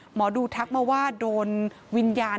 หมอดูทักมาว่าโดนวิญญาณ